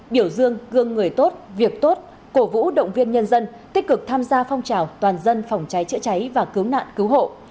biểu dương gương người tốt việc tốt cổ vũ động viên nhân dân tích cực tham gia phong trào toàn dân phòng cháy chữa cháy và cứu nạn cứu hộ